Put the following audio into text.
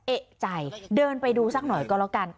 เอกใจเดินไปดูสักหน่อยก็แล้วกัน